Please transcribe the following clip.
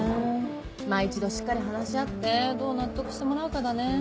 まぁ一度しっかり話し合ってどう納得してもらうかだね。